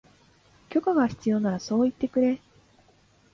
許可が必要ならそう言ってくれ